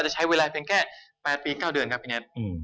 แต่เวลาเป็นแค่๘ปี๙เดือนครับพี่เน็ต